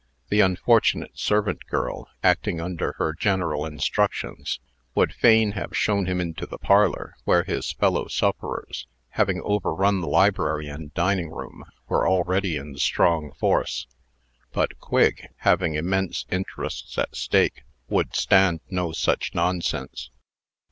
The unfortunate servant girl, acting under her general instructions, would fain have shown him into the parlor, where his fellow sufferers, having overrun the library and dining room, were already in strong force; but Quigg, having immense interests at stake, would stand no such nonsense.